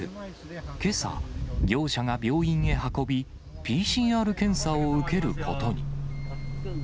けさ、業者が病院に運び、ＰＣＲ検査を受けることに。